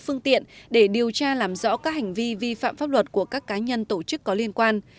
phương tiện để điều tra làm rõ các hành vi vi phạm pháp luật của các cá nhân tổ chức có liên quan